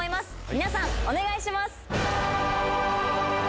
皆さん、お願いします。